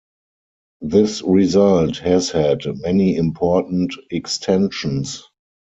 This result has had many important extensions.